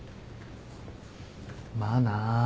まあな。